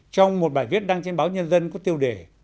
trong một bài viết đăng trên báo nhân dân có tiêu đề